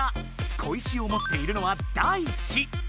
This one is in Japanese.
小石を持っているのはダイチ。